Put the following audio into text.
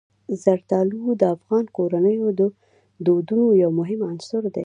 زردالو د افغان کورنیو د دودونو یو مهم عنصر دی.